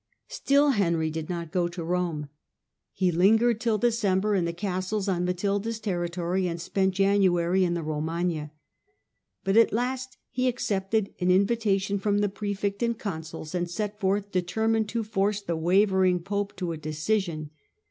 Still Henry did not go to Rome. He lingered till December in the castles on Matilda's terri tory, and spent January in the Romagna. But at last he accepted an invitation from the prefect and consuls, and set forth, determined to force the wavering pope to a decision.